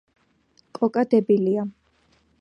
კოკა დებილია